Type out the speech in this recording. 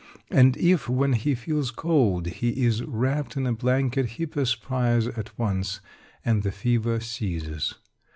And if, when he feels cold, he is wrapped in a blanket, he perspires at once, and the fever ceases.